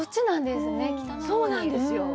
そうなんですよ。